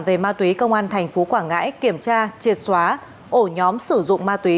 về ma túy công an thành phố quảng ngãi kiểm tra triệt xóa ổ nhóm sử dụng ma túy